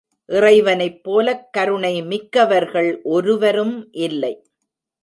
இறைவனைப் போலக் கருணை மிக்கவர்கள் ஒருவரும் இல்லை.